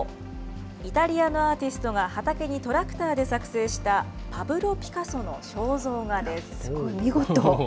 イタリアのアーティストが畑にトラクターで作成したパブロ・ピカ見事。